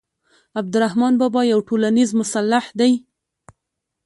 عبدالرحمان بابا یو ټولنیز مصلح دی.